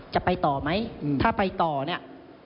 จะไปต่อไหมถ้าไปต่อเนี่ย